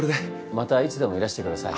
またいつでもいらしてください。